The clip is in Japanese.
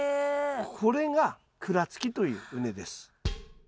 これが鞍つきという畝です。